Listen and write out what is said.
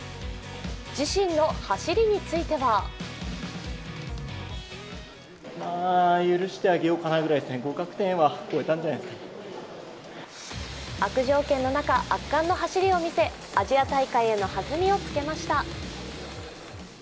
自身の走りについては悪条件の中圧巻の走りを見せアジア大会への弾みをつけました。